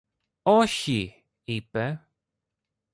Όχι! είπε.